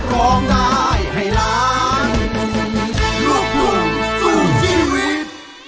ร้องได้ให้ล้านลูกทุ่งสู้ชีวิต